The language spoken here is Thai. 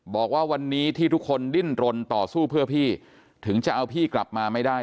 บอกว่าวันนี้ที่ทุกคนดิ้นรนต่อสู้เพื่อพี่ถึงจะเอาพี่กลับมาไม่ได้